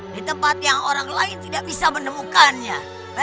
di tempat yang orang lain tidak bisa menemukannya